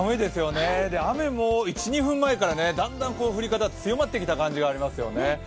雨も１２分前からだんだん降り方が強まってきた感じがありますよね。